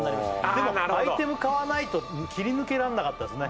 でもアイテム買わないと切り抜けらんなかったですね